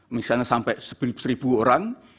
misalnya sampai seribu orang